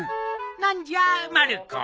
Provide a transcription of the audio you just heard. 何じゃまる子。